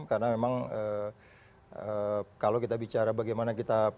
karena memang kalau kita bicara bagaimana kita